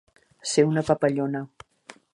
Ser una papallona.